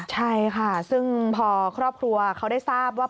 ใช่ค่ะซึ่งพอครอบครัวเขาได้ทราบว่า